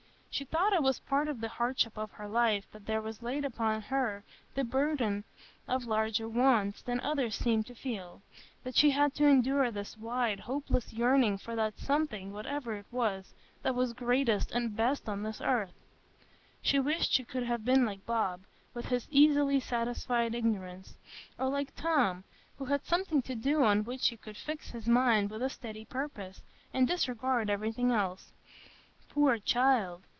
She thought it was part of the hardship of her life that there was laid upon her the burthen of larger wants than others seemed to feel,—that she had to endure this wide, hopeless yearning for that something, whatever it was, that was greatest and best on this earth. She wished she could have been like Bob, with his easily satisfied ignorance, or like Tom, who had something to do on which he could fix his mind with a steady purpose, and disregard everything else. Poor child!